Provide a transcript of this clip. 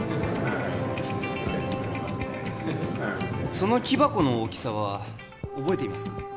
その木箱の大きさは覚えていますか？